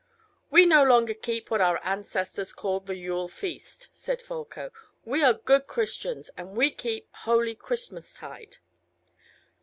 "We no longer keep what our ancestors called the Yule feast," said Folko; "we are good Christians, and we keep holy Christmas tide."